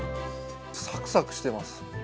サクサクしてます。